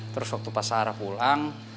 terus waktu pak sarah pulang